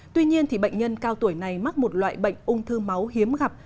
tuy nhiên bệnh nhân cao tuổi này mắc một loại bệnh ung thư máu hiếm gặp